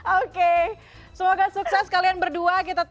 oke semoga sukses kalian berdua